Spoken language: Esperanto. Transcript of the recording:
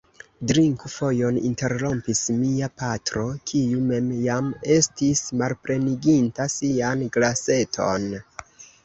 Drinku fojon, interrompis mia patro, kiu mem jam estis malpleniginta sian glaseton.